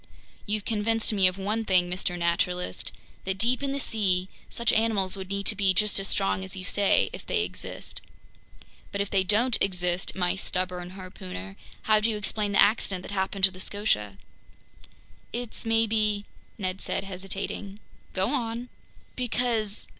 "You've convinced me of one thing, Mr. Naturalist. That deep in the sea, such animals would need to be just as strong as you say—if they exist." "But if they don't exist, my stubborn harpooner, how do you explain the accident that happened to the Scotia?" "It's maybe ...," Ned said, hesitating. "Go on!" "Because